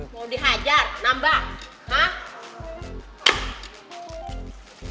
mau dihajar nambah